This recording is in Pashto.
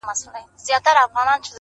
پر کومي لوري حرکت وو حوا څه ډول وه.